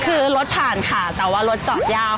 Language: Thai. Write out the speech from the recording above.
คือรถผ่านค่ะแต่ว่ารถจอดยาว